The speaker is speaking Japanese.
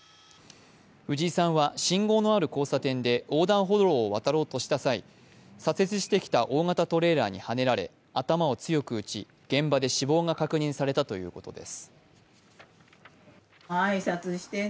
藤井さんは信号のある交差点で横断歩道を渡ろうとした際、左折してきた大型トレーラーにはねられ頭を強く打ち現場で死亡が確認されたということです。